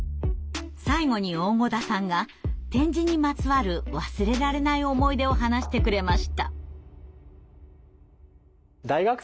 最後に大胡田さんが点字にまつわる忘れられない思い出を話してくれました。